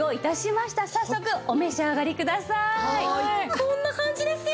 こんな感じですよ！